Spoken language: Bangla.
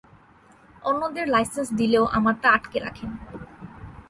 অন্যদের লাইসেন্স দিলেও আমারটা আটকে রাখেন।